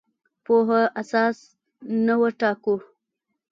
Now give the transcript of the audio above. پوهه اساس نه وټاکو.